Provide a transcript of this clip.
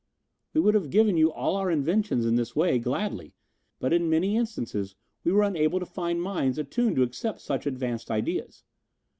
"We would have given you all our inventions in this way, gladly, but in many instances we were unable to find minds attuned to accept such advanced ideas.